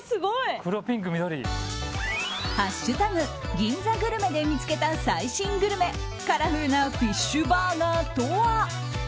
銀座グルメ」で見つけた最新グルメカラフルなフィッシュバーガーとは。